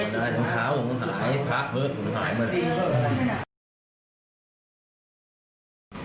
ผมขาวผมหายพักเผิดผมหายมาเลย